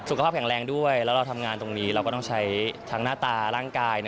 สุขภาพแข็งแรงด้วยแล้วเราทำงานตรงนี้เราก็ต้องใช้ทั้งหน้าตาร่างกาย